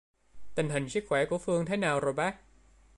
Tình hình sức khỏe của Phương thế nào rôì bác